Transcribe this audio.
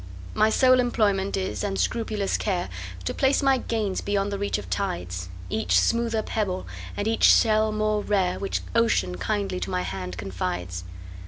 My sole employment is, and scrupulous care, To place my gains beyond the reach of tides,—Each smoother pebble, and each shell more rare, Which Ocean kindly to my hand confides.